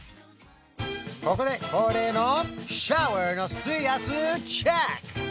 ここで恒例のシャワーの水圧チェック！